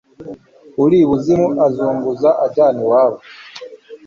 uri ibuzimu azunguza ajyana iwabo